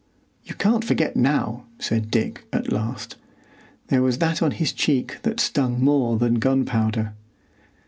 "You can't forget now," said Dick, at last. There was that on his cheek that stung more than gunpowder.